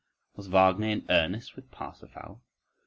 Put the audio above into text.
—was Wagner in earnest with Parsifal?